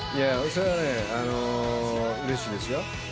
それはね、うれしいですよ。